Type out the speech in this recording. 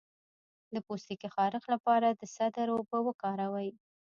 د پوستکي خارښ لپاره د سدر اوبه وکاروئ